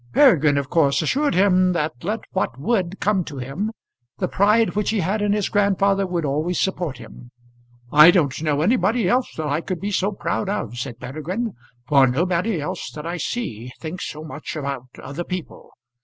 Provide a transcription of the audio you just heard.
Peregrine of course assured him that let what would come to him the pride which he had in his grandfather would always support him. "I don't know anybody else that I could be so proud of," said Peregrine; "for nobody else that I see thinks so much about other people.